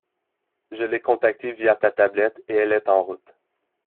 Je l’ai contactée via ta tablette et elle est en route.